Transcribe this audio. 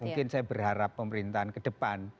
mungkin saya berharap pemerintahan ke depan